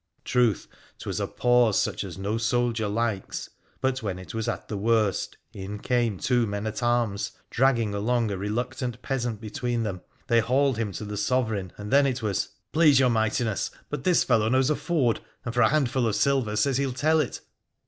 Truth, 'twas a pause such as no soldier likes, but when it was at the worst in came two men at arms dragging along a reluctant peasant between them. They hauled him to the Sovereign, and then it was —' Please your Mightiness, but tins fellow knows a ford, and for a handful of silver says he '11 tell it.'